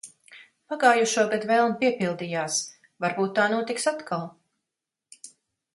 Pagājušogad vēlme piepildījās. Varbūt tā notiks atkal.